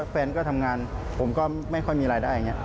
แฟนก็ทำงานผมก็ไม่ค่อยมีรายได้อย่างนี้